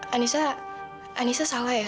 anissa anissa salah ya